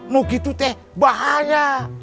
mau gitu teh bahaya